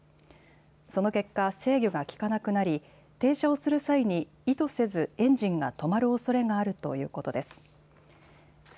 その結果、制御が利かなくなり停車をする際に意図せずエンジンが止まるおそれがあるということです。